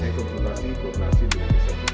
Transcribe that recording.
e pertimbangan kerja akademi